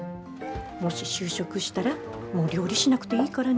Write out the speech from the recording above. もし就職したらもう料理しなくていいからね。